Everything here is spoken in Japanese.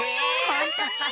ほんとに？